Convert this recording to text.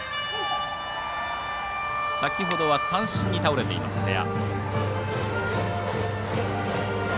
先ほどは三振に倒れています、瀬谷。